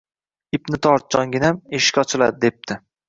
— Ipni tort, jonginam, eshik ochiladi, — debdi